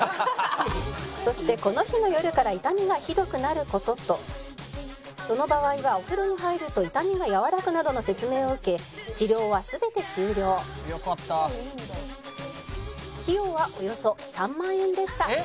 「そしてこの日の夜から痛みがひどくなる事とその場合はお風呂に入ると痛みが和らぐなどの説明を受け治療は全て終了」「よかった」「費用はおよそ３万円でした」